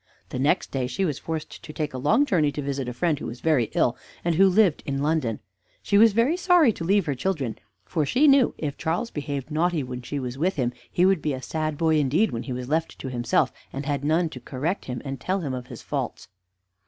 The next day she was forced to take a long journey to visit a friend who was very ill, and who lived in London. She was very sorry to leave her children, for she knew if Charles behaved naughty when she was with him, he would be a sad boy indeed when he was left to himself, and had none to correct him and tell him of his faults.